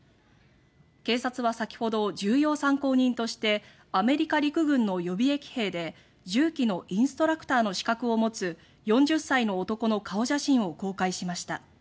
警察は先ほど、重要参考人としてアメリカ陸軍の予備役兵で銃器のインストラクターの資格を持つ４０歳の男の顔写真を公開しました。